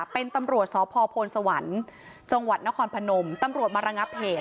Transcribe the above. เป็นตำรวจสพพลสวรรค์จังหวัดนครพนมตำรวจมาระงับเหตุ